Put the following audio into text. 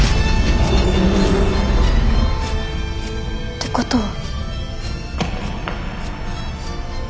てことは。